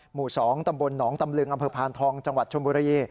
หมู่๒ตำบลหนองตำลึงอพทองจชมย